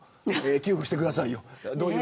給付してくださいよ。